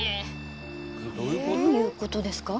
どういう事ですか？